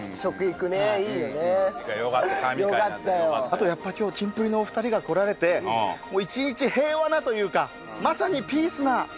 あとやっぱ今日キンプリのお二人が来られて一日平和なというかまさに。